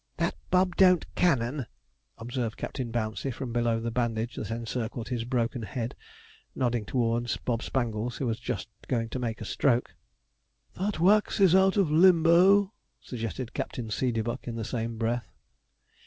'That Bob don't cannon?' observed Captain Bouncey from below the bandage that encircled his broken head, nodding towards Bob Spangles, who was just going to make a stroke. 'That Wax is out of limbo?' suggested Captain Seedeybuck, in the same breath.